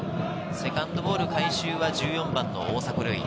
セカンドボール、回収は１４番の大迫塁。